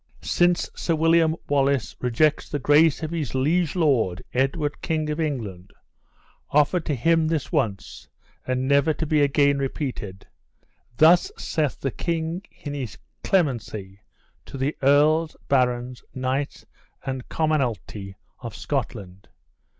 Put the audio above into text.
"Since Sir William Wallace rejects the grace of his liege lord, Edward King of England offered to him this once, and never to be again repeated: thus saith the king in his clemency to the earls, barons, knights, and commonalty of Scotland!